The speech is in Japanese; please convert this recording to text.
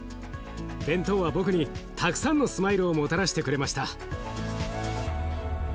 弁当は僕にたくさんのスマイルをもたらしてくれました。